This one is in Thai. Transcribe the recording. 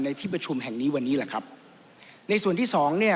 ที่ประชุมแห่งนี้วันนี้แหละครับในส่วนที่สองเนี่ย